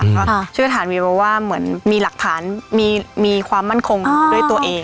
ครับค่ะชื่อวิทยาศาสตร์มีบอกว่าเหมือนมีหลักฐานมีมีความมั่นคงด้วยตัวเอง